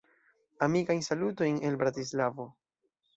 Amikajn salutojn el Bratislavo!